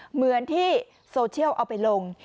เหมือนที่โซเชียลเอาไปลง